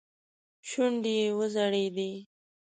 شونډې يې وځړېدې.